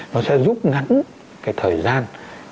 nó sẽ giúp ngắn cái thời gian